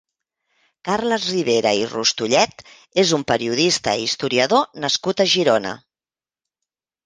Carles Ribera i Rustullet és un periodista i historiador nascut a Girona.